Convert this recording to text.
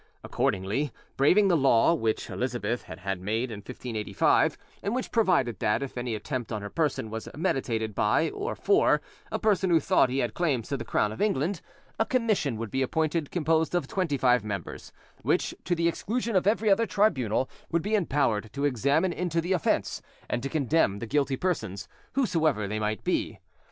Accordingly, braving the law which Elizabeth had had made in 1585, and which provided that, if any attempt on her person was meditated by, or for, a person who thought he had claims to the crown of England, a commission would be appointed composed of twenty five members, which, to the exclusion of every other tribunal, would be empowered to examine into the offence, and to condemn the guilty persons, whosoever they might be.